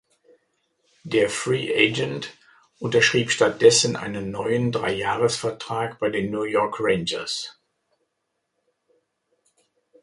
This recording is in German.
Der Free Agent unterschrieb stattdessen einen neuen Dreijahres-Vertrag bei den New York Rangers.